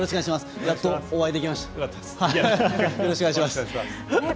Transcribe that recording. よろしくお願いします。